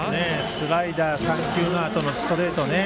スライダー３球のあとのストレートね。